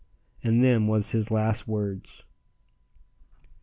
And them was his last words.